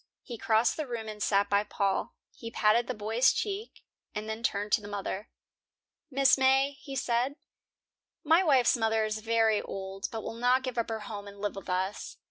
He crossed the room and sat by Paul. He patted the boy's cheek, and then turned to the mother. "Mrs. May," he said, "my wife's mother is very old, but will not give up her home and live with us.